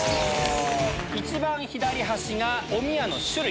一番左端がおみやの種類。